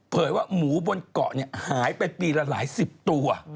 เผยว่าหมูบนเกาะเนี่ยหายไปปีละหลายสิบตัว